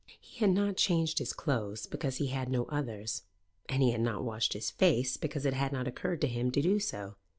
He had not changed his clothes, because he had no others; and he had not washed his face, because it had not occurred to him to do so.